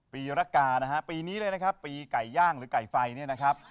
ปีรกานะฮะปีนี้เลยนะครับปีไก่ย่างหรือไก่ไฟเนี่ยนะครับ